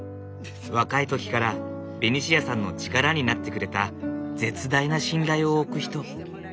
若い時からベニシアさんの力になってくれた絶大な信頼を置く人。